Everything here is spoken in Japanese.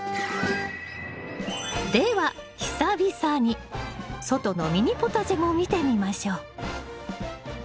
では久々に外のミニポタジェも見てみましょう。